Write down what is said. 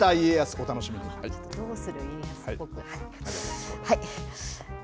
どうする家康っぽく。